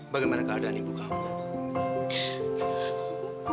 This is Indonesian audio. bagaimana keadaan ibu kamu